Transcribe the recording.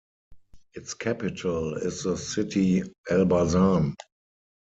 Its capital is the city Elbasan.